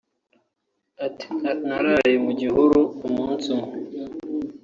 Ati “Naraye mu gihuru umunsi umwe